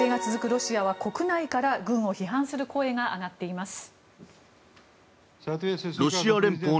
ロシアは国内から軍を批判する声が上がっています。